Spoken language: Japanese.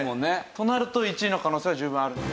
となると１位の可能性は十分ある。